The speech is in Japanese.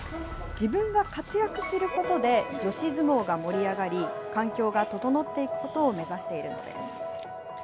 自分が活躍することで、女子相撲が盛り上がり、環境が整っていくことを目指しているのです。